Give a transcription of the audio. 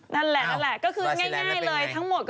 นั่นแหละก็คือง่ายเลยทั้งหมด